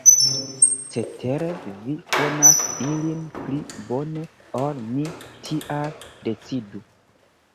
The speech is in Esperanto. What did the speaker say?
Cetere vi konas ilin pli bone ol mi, tial decidu.